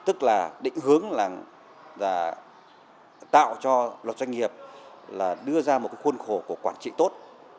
tức là định hướng là tạo cho loạt doanh nghiệp đưa ra một khuôn khổ của quản trị tốt